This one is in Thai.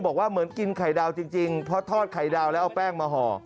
บอกว่าเหมือนกินไข่ดาวจริงเพราะทอดไข่ดาวแล้วเอาแป้งมาห่อ